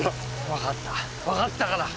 わかったわかったから。